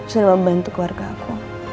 sudah membantu keluarga aku